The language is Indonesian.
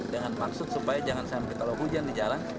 dengan maksud supaya jangan sampai kalau hujan di jalan